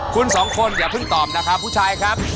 คุณสองคนอย่าเพิ่งตอบนะครับผู้ชายครับ